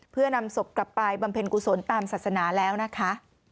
เพื่อนำศพกลับไปบำเพ็ญกุศลตามศาสนาแล้วนะคะ